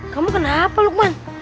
kamu kenapa lukman